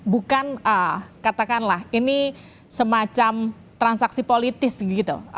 bukan katakanlah ini semacam transaksi politis gitu